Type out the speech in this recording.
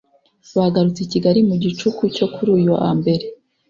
bagarutse i Kigali mu gicuku cyo kuri uyu wa mbere